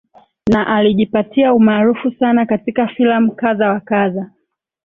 na alijipatia umaarufu sana katika filamu kadha wa kadha